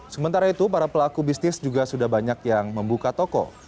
sementara itu para pelaku bisnis juga sudah banyak yang membuka toko